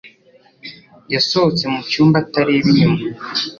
yasohotse mucyumba atareba inyuma.